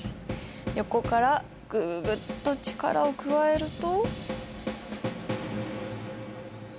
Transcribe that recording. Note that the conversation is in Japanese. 横からグググッと力を加えると。